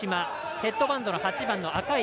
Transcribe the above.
ヘッドバンドの８番の赤石。